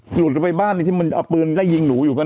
หลุดเข้าไปบ้านที่มันเอาปืนไล่ยิงหนูอยู่ป่